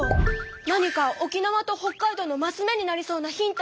何か沖縄と北海道のマス目になりそうなヒントお願い！